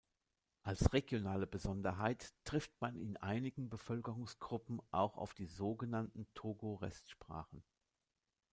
Als regionale Besonderheit trifft man in einigen Bevölkerungsgruppen auch auf die sogenannten Togo-Restsprachen.